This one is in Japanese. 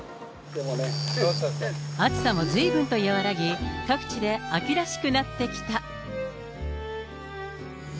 暑さもずいぶんと和らぎ、各地で秋らしくなってきた。